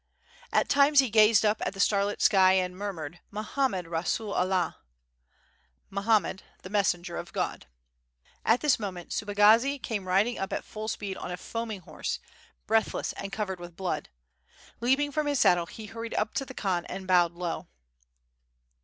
At times he gazed up at the starlit sky, and murmured "Mohammed Kassul Allah!" (Mohammed the messenger of God.) At this moment Subagazi came riding up at full speed on a foaming horse, breathless and covered with blood; leaping from his saddle, he hurried up to the Khan and bowed low.